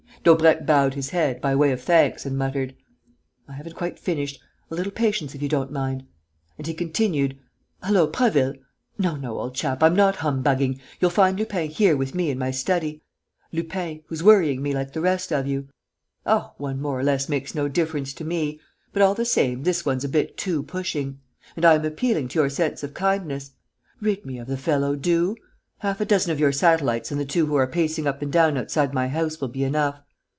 Daubrecq bowed his head, by way of thanks, and muttered: "I haven't quite finished.... A little patience, if you don't mind." And he continued, "Hullo! Prasville!... No, no, old chap, I'm not humbugging.... You'll find Lupin here, with me, in my study.... Lupin, who's worrying me like the rest of you.... Oh, one more or less makes no difference to me! But, all the same, this one's a bit too pushing. And I am appealing to your sense of kindness. Rid me of the fellow, do.... Half a dozen of your satellites and the two who are pacing up and down outside my house will be enough....